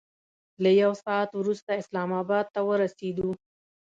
له یو ساعت وروسته اسلام اباد ته ورسېدو.